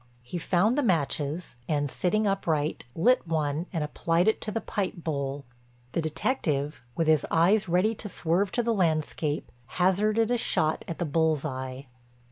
He found the matches and, sitting upright, lit one and applied it to the pipe bowl. The detective, with his eyes ready to swerve to the landscape, hazarded a shot at the bull's eye.